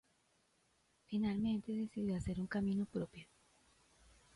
Finalmente, decidió hacer un camino propio.